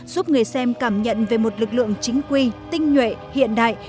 giúp người xem cảm nhận về một lực lượng chính quy tinh nhuệ hiện đại